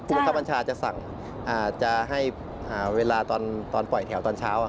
บังคับบัญชาจะสั่งจะให้เวลาตอนปล่อยแถวตอนเช้า